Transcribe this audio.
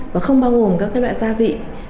và không bao gồm các loại gia vị